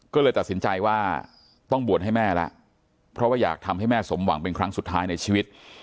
ก็เลยตัดสินใจว่าต้องบวชให้แม่แล้วเพราะว่าอยากทำให้แม่สมหวังเป็นครั้งสุดท้ายในชีวิต